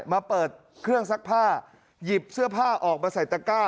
มาเปิดเครื่องซักผ้าหยิบเสื้อผ้าออกมาใส่ตะก้า